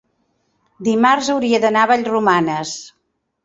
dimarts hauria d'anar a Vallromanes.